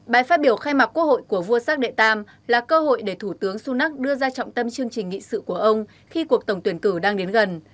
bài phát biểu khai mạc quốc hội của vua sát đệ tam là cơ hội để thủ tướng sunak đưa ra trọng tâm chương trình nghị sự của ông khi cuộc tổng tuyển cử đang đến gần